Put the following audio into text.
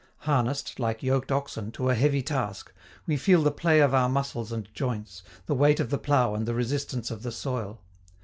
Harnessed, like yoked oxen, to a heavy task, we feel the play of our muscles and joints, the weight of the plow and the resistance of the soil.